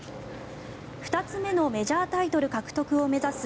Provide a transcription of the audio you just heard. ２つ目のメジャータイトル獲得を目指す